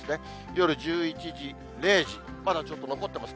夜１１時、０時、まだちょっと残ってます。